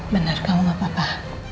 bener kamu gapapa